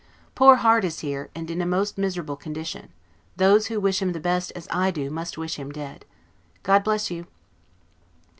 Poor Harte is here, and in a most miserable condition; those who wish him the best, as I do, must wish him dead. God bless you!